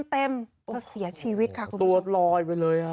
เธอเสียชีวิตค่ะคุณผู้ชมตัวลอยไปเลย